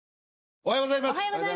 おはようございます。